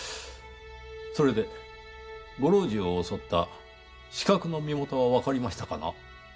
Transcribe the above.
それでご老中を襲った刺客の身元はわかりましたかな？